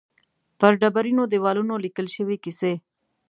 پر ډبرینو دېوالونو لیکل شوې کیسې.